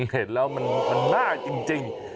เห็นแล้วมันน่าจริง